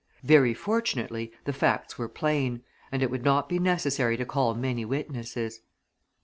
Very fortunately the facts were plain, and it would not be necessary to call many witnesses.